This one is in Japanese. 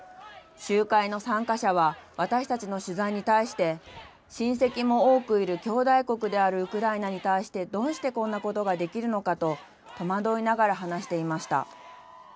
集会の参加者は、私たちの取材に対して、親戚も多くいる兄弟国であるウクライナに対して、どうしてこんなことができるのかと、戸惑いながら話していました。